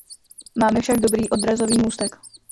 Máme však dobrý odrazový můstek.